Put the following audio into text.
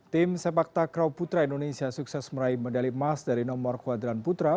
tim sepak takraw putra indonesia sukses meraih medali emas dari nomor kuadran putra